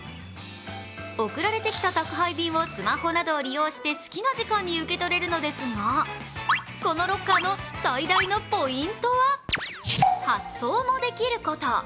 送られてきた宅配便をスマホなどを利用して好きな時間に受け取れるのですがこのロッカーの最大のポイントは発送もできること。